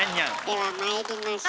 ではまいりましょう。